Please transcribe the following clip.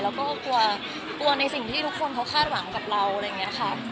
แล้วก็กลัวกลัวในสิ่งที่ทุกคนเขาคาดหวังกับเราอะไรอย่างนี้ค่ะ